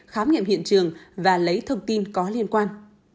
khám nghiệm hiện trường và lấy thông tin có liên quan